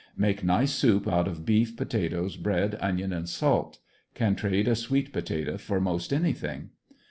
Make nice soup out of beef, potatoe, bread, onion and salt; can trade a sweet pota toe for most anything.